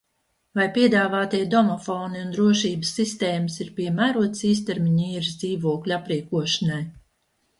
Vai piedāvātie domofoni un drošības sistēmas ir piemērotas īstermiņa īres dzīvokļu aprīkošanai?